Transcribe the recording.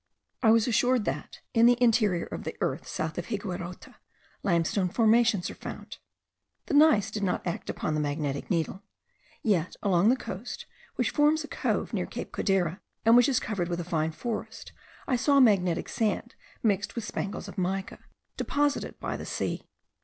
I was assured that, in the interior of the earth, south of Higuerote, limestone formations are found. The gneiss did not act upon the magnetic needle; yet along the coast, which forms a cove near Cape Codera, and which is covered with a fine forest, I saw magnetic sand mixed with spangles of mica, deposited by the sea.